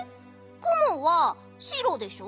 くもはしろでしょ。